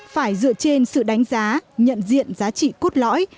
phải dựa trên sự đánh giá nhận diện giá trị cốt lõi